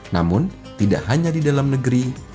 namun tidak hanya di dalam negeri